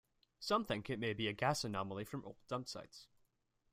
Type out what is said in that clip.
Some think it may be a gas anomaly from old dumpsites.